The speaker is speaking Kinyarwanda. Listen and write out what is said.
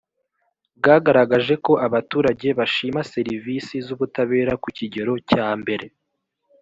bwagaragaje ko abaturage bashima serivisi z ubutabera ku kigero cya mbere